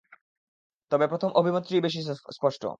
তবে প্রথম অভিমতটিই বেশি স্পষ্ট।